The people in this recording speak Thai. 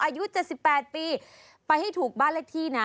อายุ๗๘ปีไปให้ถูกบ้านเลขที่นะ